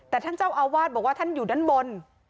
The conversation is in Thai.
แต่ท่านเจ้าอาวาสบอกว่าท่านอยู่ด้านบน